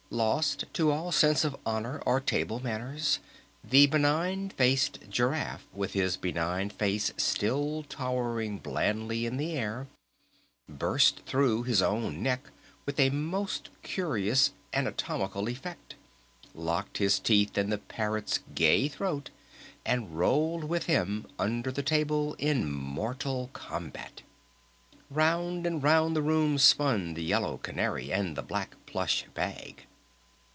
Lost to all sense of honor or table manners the benign faced Giraffe with his benign face still towering blandly in the air, burst through his own neck with a most curious anatomical effect, locked his teeth in the Parrot's gay throat and rolled with him under the table in mortal combat! Round and round the room spun the Yellow Canary and the Black Plush Bag!